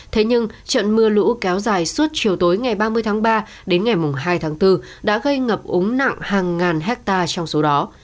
thế nhưng trận mưa lũ kéo dài suốt chiều tối ngày ba mươi tháng ba đến ngày hai tháng bốn đã gây ngập úng nặng hàng ngàn hectare trong số đó